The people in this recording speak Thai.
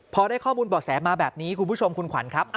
พอได้ข้อมูลบ่อแสมาแบบนี้คุณผู้ชมคุณขวัญครับ